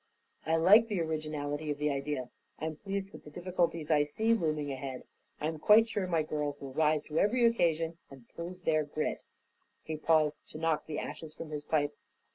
I like the originality of the idea; I'm pleased with the difficulties I see looming ahead; I'm quite sure my girls will rise to every occasion and prove their grit." He paused to knock the ashes from his pipe.